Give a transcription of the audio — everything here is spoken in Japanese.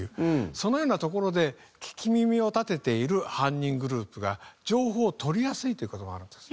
そのようなところで聞き耳を立てている犯人グループが情報を取りやすいという事があるんです。